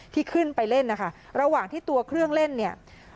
ที่ขึ้นไปเล่นนะคะระหว่างที่ตัวเครื่องเล่นเนี่ย